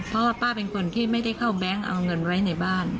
เพราะว่าป้าเป็นคนที่ไม่ได้เข้าแบงค์เอาเงินไว้ในบ้าน